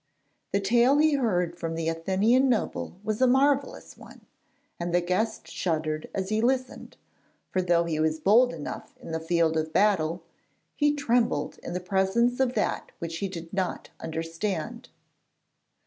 The tale he heard from the Athenian noble was a marvellous one, and the guest shuddered as he listened, for though he was bold enough in the field of battle, he trembled in the presence of that which he did not understand.